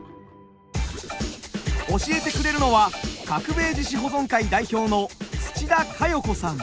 教えてくれるのは角兵衛獅子保存会代表の土田佳世子さん。